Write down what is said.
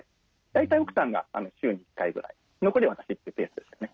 大体奥さんが週に１回ぐらい残りは私ってペースでしたね。